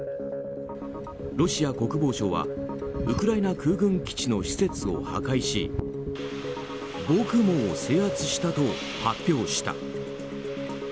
ロシア国防省はウクライナ空軍基地の施設を破壊し防空網を制圧したと発表した。